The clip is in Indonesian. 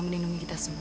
menindungi kita semua